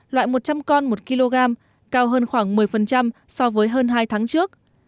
loại một trăm linh con một kg cao hơn khoảng một mươi so với hơn hai tháng trước